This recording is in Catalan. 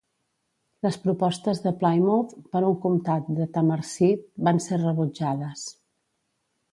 Les propostes de Plymouth per un comtat de Tamarside van ser rebutjades.